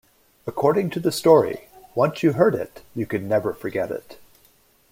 According to the story, Once you heard it, you could never forget it.